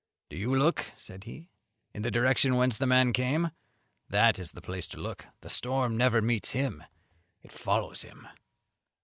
"Do you look," said he, "in the direction whence the man came, that is the place to look; the storm never meets him, it follows him."